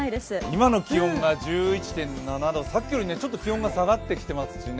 今の気温が１１．７度、さっきより気温が下がってきていますね。